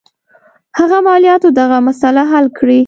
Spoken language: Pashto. هغه مالیاتو دغه مسله حل کړي.